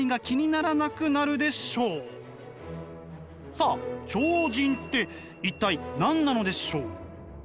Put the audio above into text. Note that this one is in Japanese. さあ超人って一体何なのでしょう？